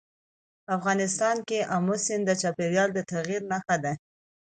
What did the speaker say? افغانستان کې آمو سیند د چاپېریال د تغیر نښه ده.